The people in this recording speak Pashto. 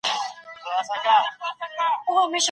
په لاس خط لیکل د ژبني مهارتونو د پرمختګ بنسټ دی.